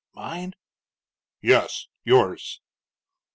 "Mine?" "Yes, yours."